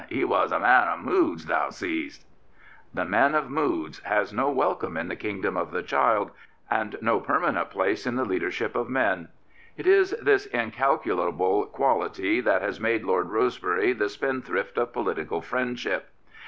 He was a man o* moods, thou sees. The man of moods has no welcome in the kingdom of the child and no per manent place in the leadership of men. It is this incalculable quality that has made Lord Rosebery the spendthrift of political friendship.